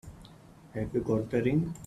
Have you got a ring?